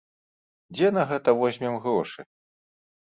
Дзе на гэта возьмем грошы?